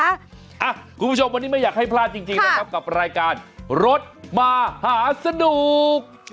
คุณผู้ชมวันนี้ไม่อยากให้พลาดจริงนะครับกับรายการรถมหาสนุก